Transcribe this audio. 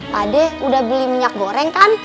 pak ade udah beli minyak goreng kan